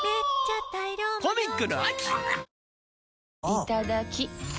いただきっ！